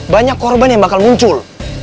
banyak korban yang bakal muncul